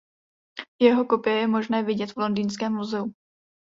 Jeho kopie je možné vidět v Londýnském muzeu.